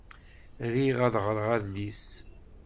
Riɣ ad ɣreɣ adlis.